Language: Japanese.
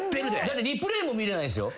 だってリプレーも見れないんすよ？